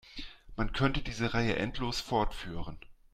Man könnte diese Reihe endlos fortführen.